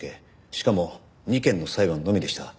しかも２件の裁判のみでした。